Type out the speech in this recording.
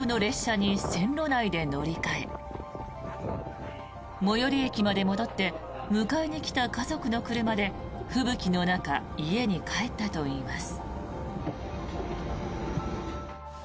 あと目の前に止まっていた反対方向の列車に線路内で乗り換え最寄り駅まで戻って迎えに来た家族の車で吹雪の中家に帰ったといいます。